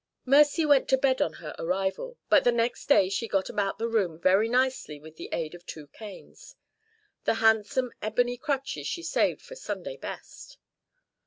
'" Mercy went to bed on her arrival. But the next day she got about in the room very nicely with the aid of two canes. The handsome ebony crutches she saved for "Sunday Best."